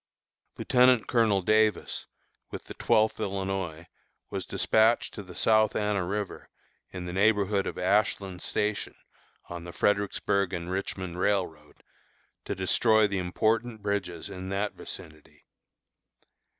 Lieutenant Colonel Davis, with the Twelfth Illinois, was despatched to the South Anna River, in the neighborhood of Ashland Station, on the Fredericksburg and Richmond Railroad, to destroy the important bridges in that vicinity.